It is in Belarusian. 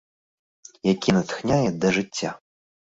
Які натхняе да жыцця.